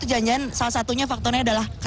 jangan jangan salah satunya faktornya adalah